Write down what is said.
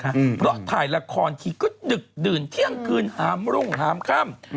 อืมเพราะถ่ายละครทีก็ดึกดื่นเที่ยงคืนหามรุ่งหามค่ำ